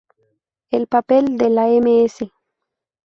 El papel de la Ms.